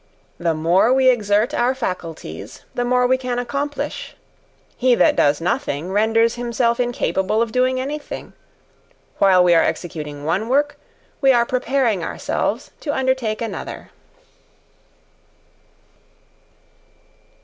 "The more we exert our faculties, the more we can accomplish. He that does nothing, renders himself incapable of doing any thing. While we are executing one work, we are preparing ourselves to undertake another."